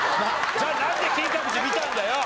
じゃあなんで金閣寺見たんだよ！